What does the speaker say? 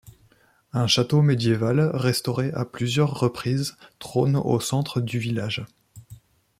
Un château médiéval restauré à plusieurs reprises trône au centre du village.